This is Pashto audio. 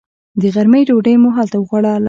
د غرمې ډوډۍ مو هلته وخوړله.